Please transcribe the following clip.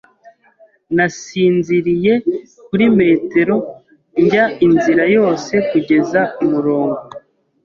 Nasinziriye kuri metero njya inzira yose kugeza umurongo.